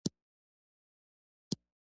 پوهه د بریا یوازینۍ لاره ده.